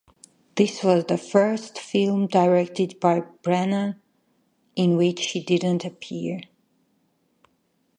This was the first film directed by Branagh in which he did not appear.